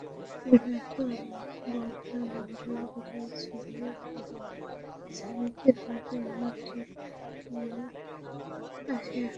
বিনোদ-বোঠান, ভোরের বেলায় ছাড়িতে হইবে, আমি ঠিক সময়ে আসিয়া হাজির হইব।